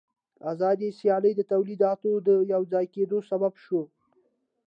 آزاده سیالي د تولیداتو د یوځای کېدو سبب شوه